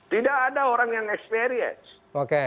tidak ada orang yang experience